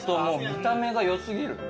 見た目が良過ぎる。